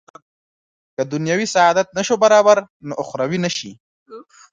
که دنیوي سعادت نه شو برابر نو اخروي نه شي.